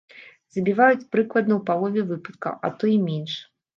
Забіваюць прыкладна ў палове выпадкаў, а то і менш.